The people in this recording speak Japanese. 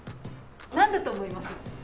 なんだと思います？